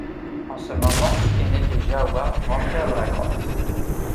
En ce moment Keinec et Jahoua rentrèrent dans la grotte.